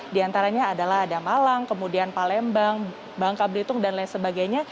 di antaranya adalah ada malang kemudian palembang bangka belitung dan lain sebagainya